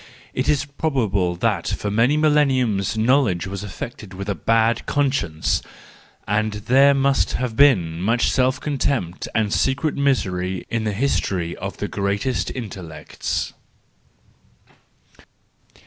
It is prob¬ able that for many millenniums knowledge was afflicted with a bad conscience, and that there must have been much self contempt and secret misery in the history of the greatest intellects.